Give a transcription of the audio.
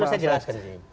perlu saya jelaskan